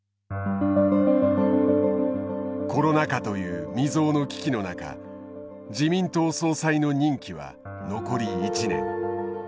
コロナ禍という未曽有の危機の中自民党総裁の任期は残り１年。